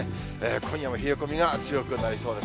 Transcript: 今夜も冷え込みが強くなりそうです。